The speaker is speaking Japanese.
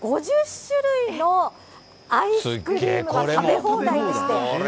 ５０種類のアイスクリームが食べ放題でして。